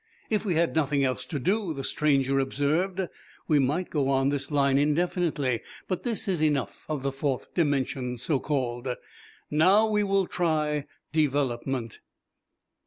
"If we had nothing else to do," the stranger observed, "we might go on in this line indefinitely; but this is enough of the 'fourth dimension,' so called. Now we will try development."